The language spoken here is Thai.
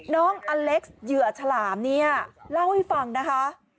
น้องอเล็กซ์เหยื่อฉลามเนี่ยเล่าให้ฟังนะคะ